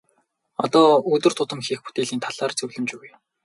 Одоо өдөр тутам хийх бүтээлийн талаар зөвлөмж өгье.